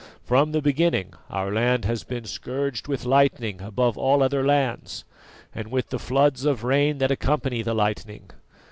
From the beginning our land has been scourged with lightning above all other lands, and with the floods of rain that accompany the lightning.